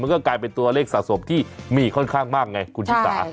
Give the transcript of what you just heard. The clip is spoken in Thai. ก็กลายเป็นตัวเลขสะสมที่มีค่อนข้างมากไงคุณชิสา